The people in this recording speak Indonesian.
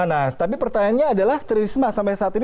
nah tapi pertanyaannya adalah tririsma sampai saat ini